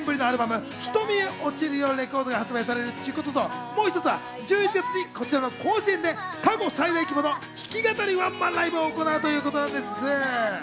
一つは８月に２年ぶりのアルバム『瞳へ落ちるよレコード』が発売されるということ、もう一つが１１月にこちらの甲子園で過去最大規模の弾き語りワンマンライブを行うということなんです。